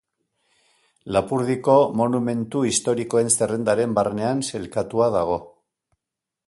Lapurdiko monumentu historikoen zerrendaren barnean sailkatua dago.